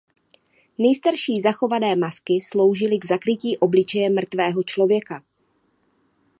Nejstarší zachované masky sloužily k zakrytí obličeje mrtvého člověka.